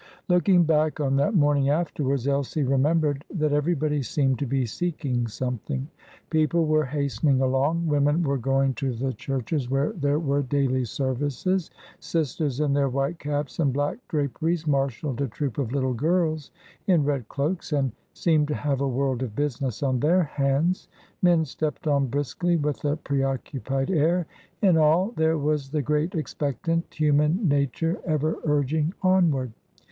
Looking back on that morning afterwards, Elsie remembered that everybody seemed to be seeking something. People were hastening along; women were going to the churches where there were daily services; sisters, in their white caps and black draperies, marshalled a troop of little girls in red cloaks, and seemed to have a world of business on their hands; men stepped on briskly with a preoccupied air. In all there was the great expectant human nature ever urging onward.